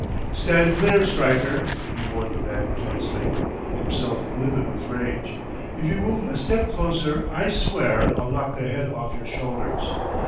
"Stand clear, Stryker!" he warned the man tensely, himself livid with rage. "If you move a step closer I swear I'll knock the head off your shoulders!